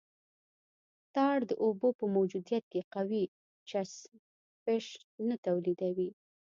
ټار د اوبو په موجودیت کې قوي چسپش نه تولیدوي